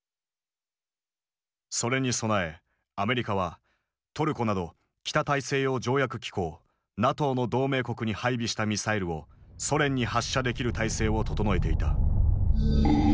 それに備えアメリカはトルコなど北大西洋条約機構ＮＡＴＯの同盟国に配備したミサイルをソ連に発射できる体制を整えていた。